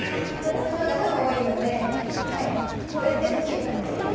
私の方が多分多いので超えてほしいという。